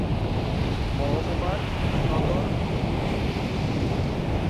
মহকুমার সদর সিউড়ি।